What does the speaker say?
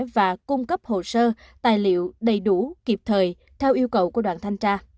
và cung cấp hồ sơ tài liệu đầy đủ kịp thời theo yêu cầu của đoàn thanh tra